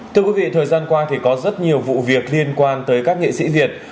thưa quý vị thời gian qua thì có rất nhiều vụ việc liên quan tới các nghệ sĩ việt